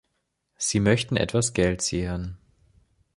Sie möchten etwas Geld sehen.